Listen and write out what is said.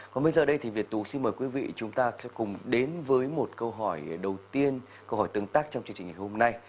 còn bây giờ đây thì việt tú xin mời quý vị chúng ta cùng đến với một câu hỏi đầu tiên câu hỏi tương tác trong chương trình ngày hôm nay